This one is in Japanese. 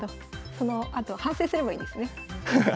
そのあと反省すればいいんですね。